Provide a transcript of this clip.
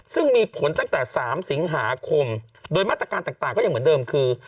ซึ่งมีผลตั้งแต่๓สิงหาคมโดยมาตรการต่างก็ยังเหมือนเดิมคือ